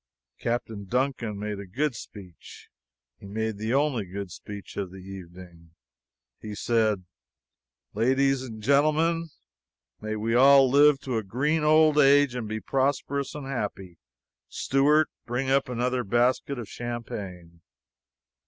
Captain Duncan made a good speech; he made the only good speech of the evening. He said: "LADIES AND GENTLEMEN: May we all live to a green old age and be prosperous and happy. Steward, bring up another basket of champagne."